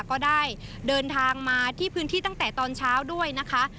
ก็ได้เดินทางมาที่พื้นที่ตั้งแต่ตอนเช้าด้วยนะคะ